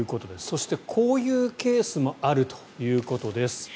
そして、こういうケースもあるということです。